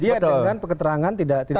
dia dengan peketerangan tidak benar